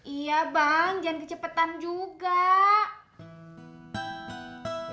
iya bang jangan kecepatan juga